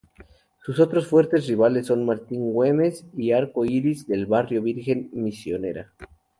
Sus otros fuertes rivales son Martín Güemes y Arco Iris del barrio Virgen Misionera.